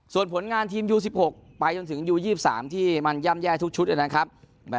ส่วนผลงานทีมยูสิบหกไปจนถึงยูยี่สิบสามที่มันย่ำแย่ทุกชุดอย่างนั้น